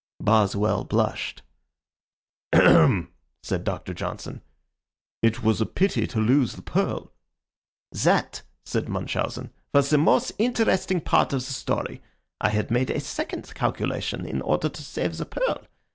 Boswell blushed. "Ahem!" said Doctor Johnson. "It was a pity to lose the pearl." "That," said Munchausen, "was the most interesting part of the story. I had made a second calculation in order to save the pearl.